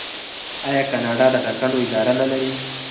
آیا کاناډا د ټاکنو اداره نلري؟